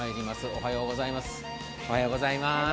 おはようございます。